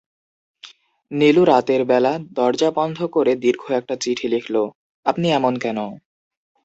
নীলু রাতের বেলা দরজা বন্ধ করে দীর্ঘ একটা চিঠি লিখল-আপনি এমন কেন?